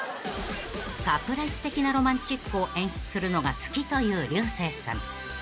［サプライズ的なロマンチックを演出するのが好きという竜星さん］